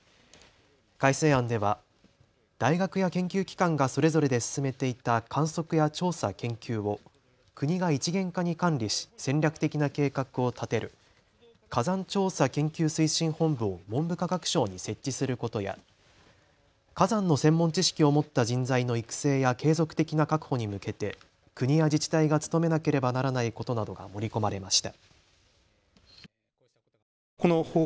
改正案では大学や研究機関がそれぞれで進めていた観測や調査・研究を国が一元化に管理し戦略的な計画を立てる火山調査研究推進本部を文部科学省に設置することや火山の専門知識を持った人材の育成や継続的な確保に向けて国や自治体が努めなければならないことなどが盛り込まれました。